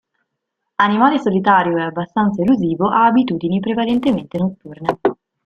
Animale solitario e abbastanza elusivo, ha abitudini prevalentemente notturne.